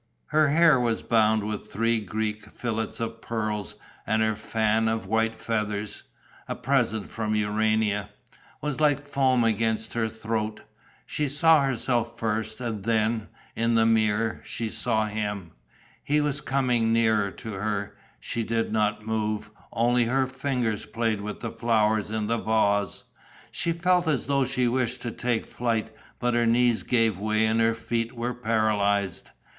Her hair was bound with three Greek fillets of pearls; and her fan of white feathers a present from Urania was like foam against her throat. She saw herself first and then, in the mirror, she saw him. He was coming nearer to her. She did not move, only her fingers played with the flowers in the vase. She felt as though she wished to take flight, but her knees gave way and her feet were paralysed.